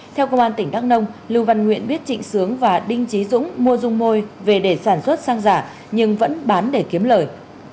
theo công an tỉnh đắk nông lưu văn nguyện biết trịnh sướng và đinh trí dũng mua dung môi về để sản xuất sang giả nhưng vẫn bán để kiếm lời